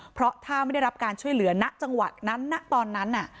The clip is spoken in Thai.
เพราะถ้าไม่ได้รับการช่วยเหลือณจังหวัดนั้นณตอนนั้น